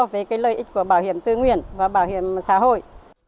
về cái lợi ích của bảo hiểm tư nguyện và bảo hiểm xã hội